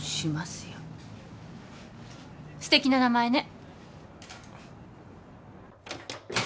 すてきな名前ね。